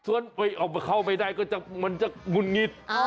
ส่วนออกมาเข้าไม่ได้ก็มันจะงุดหงิด